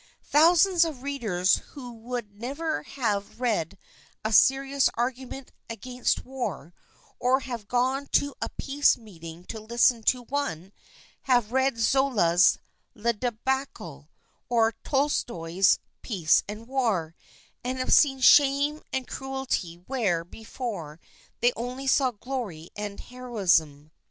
Thousands of readers who would never have read a serious argument against war, or have gone to a peace meeting to listen to one, have read Zola's " Le Debacle" or Tolstoy's " Peace and War " and have seen shame and cruelty where before they only saw glory and heroism.